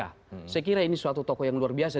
saya kira ini suatu tokoh yang luar biasa